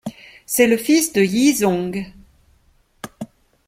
C'est le fils de Yizong.